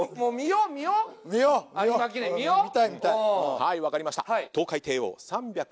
はい分かりました。